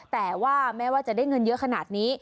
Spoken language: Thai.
แต่ว่าแม้ว่าจะได้เงินเยอะขนาดนี้